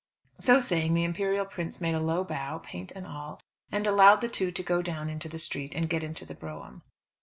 So saying the imperial prince made a low bow, paint and all, and allowed the two to go down into the street, and get into the brougham.